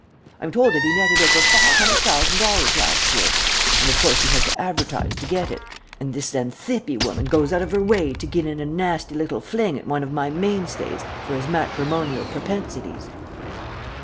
I'm told that he netted over $500,000 last year; and of course he had to advertise to get it, and this Xanthippe woman goes out of her way to get in a nasty little fling at one of my mainstays for his matrimonial propensities."